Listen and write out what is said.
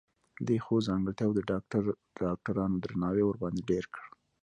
دې ښو ځانګرتياوو د ډاکټرانو درناوی ورباندې ډېر کړ.